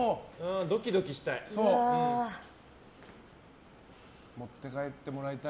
ドキドキしたい。